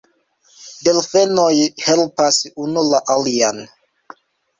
Delfenoj helpas unu la alian.